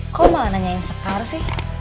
kok malah nanyain sekar sih